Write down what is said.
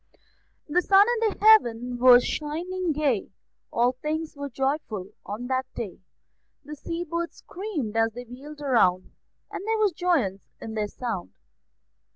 The sun in heaven was shining gay; All things were joyful on that day; The sea birds screamed as they wheeled round, And there was joyance in their sound.